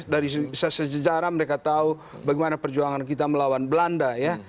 dari sejarah mereka tahu bagaimana perjuangan kita melawan belanda ya